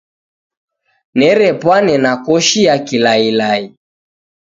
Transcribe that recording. Nerepwane na koshi ya kilailai.